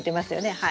はい。